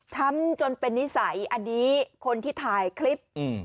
ทำจนเป็นนิสัยอันนี้คนที่ถ่ายคลิปอืม